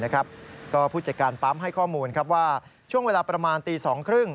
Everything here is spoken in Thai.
ก็ผู้จัดการปั๊มให้ข้อมูลว่าช่วงเวลาประมาณตี๒๓๐